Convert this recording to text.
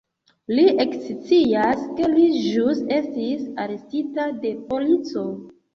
Li ekscias, ke li ĵus estis arestita de polico.